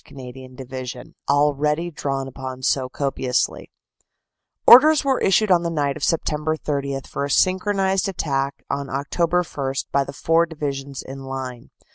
Canadian Division, already drawn upon so copiously: "Orders were issued on the night of Sept. 30 for a synchronized attack on Oct. 1 by the four divisions in line.